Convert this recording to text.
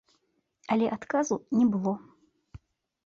Але адказу не было.